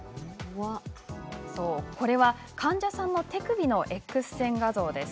これは患者さんの手首のＸ線画像です。